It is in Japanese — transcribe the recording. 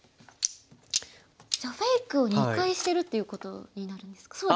じゃあフェイクを２回してるっていうことになるんですか？